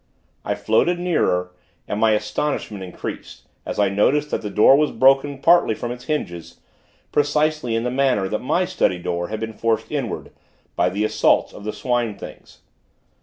I floated nearer, and my astonishment increased, as I noted that the door was broken partly from its hinges, precisely in the manner that my study door had been forced inward, by the assaults of the Swine things.